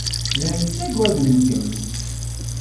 Llan ttagaden-kem.